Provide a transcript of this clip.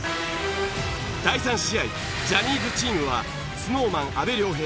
ジャニーズチームはＳｎｏｗＭａｎ阿部亮平